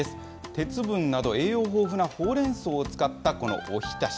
鉄分など栄養豊富なほうれんそうを使ったこのお浸し。